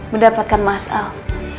mendapatkan mas al